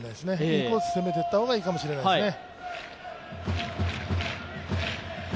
インコースを攻めていった方がいいかもしれないですね。